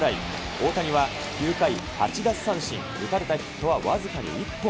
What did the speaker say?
大谷は９回８奪三振、打たれたヒットは僅かに１本。